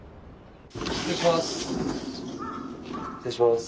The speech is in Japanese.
失礼します。